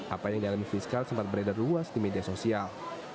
apa yang dialami fiskal sempat beredar luas di media sosial